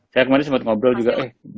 saya kemarin sempat ngobrol juga